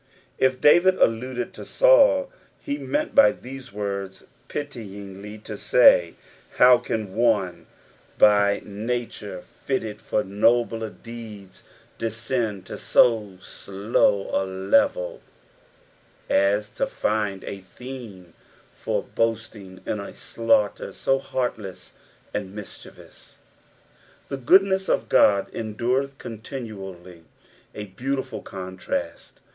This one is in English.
If David alluded to Saul, he meant by these words pityingly to say, " How can one by nature fitted for nobler deeds, descend to bo slow a level as to find a theme for boasting in a slauchter so heartless and miscliievoUB ?"" The goodness of Ood endureth eontinuauy." A beautiful contrast.